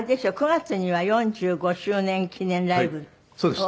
９月には４５周年記念ライブを。